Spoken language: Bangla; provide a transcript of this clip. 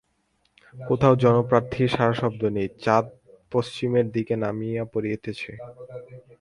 কোথাও জনপ্রাণীর সাড়াশব্দ নাই–চাঁদ পশ্চিমের দিকে নামিয়া পড়িতেছে।